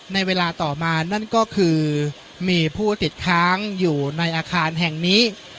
ในเวลาต่อมานั่นก็คือมีผู้ติดค้างอยู่ในอาคารแห่งนี้